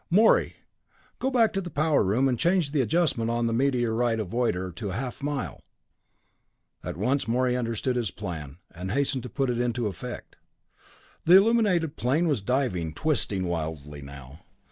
"Morey go back to the power room and change the adjustment on the meteorite avoider to half a mile!" At once Morey understood his plan, and hastened to put it into effect. The illuminated plane was diving, twisting wildly now.